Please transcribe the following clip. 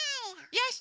よし！